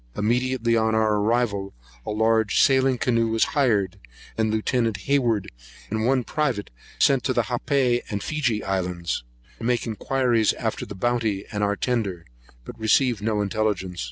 Immediately on our arrival, a large sailing canoe was hired, and Lieut. Hayward and one private sent to the Happai and Feegee Islands,[132 1] to make inquiry after the Bounty and our tender; but received no intelligence.